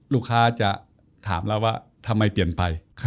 ลูกค้าจะถามแล้วว่าทำไมเตียนไป